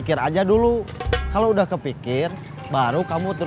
garut garut garut